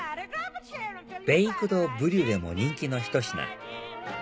ベイクドブリュレも人気のひと品